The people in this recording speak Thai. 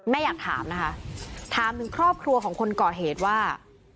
อยากถามนะคะถามถึงครอบครัวของคนก่อเหตุว่า